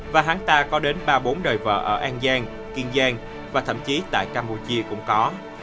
và hán ta có đến ba bốn đời vợ ở an giang kiên giang và thậm chí tại campuchia cũng có